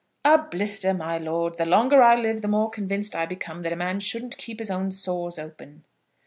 "A blister, my lord. The longer I live the more convinced I become that a man shouldn't keep his own sores open."